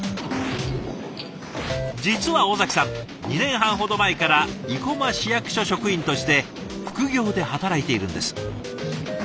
実は尾崎さん２年半ほど前から生駒市役所職員として副業で働いているんです。